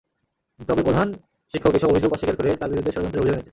তবে প্রধান শিক্ষক এসব অভিযোগ অস্বীকার করে তাঁর বিরুদ্ধে ষড়যন্ত্রের অভিযোগ এনেছেন।